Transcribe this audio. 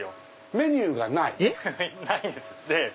メニューがない⁉えっ？